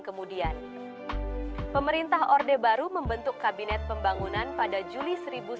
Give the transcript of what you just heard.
kemudian pemerintah orde baru membentuk kabinet pembangunan pada juli seribu sembilan ratus sembilan puluh